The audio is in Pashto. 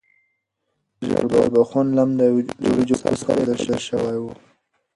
ژیړبخون لم د وریجو په سر ایښودل شوی و.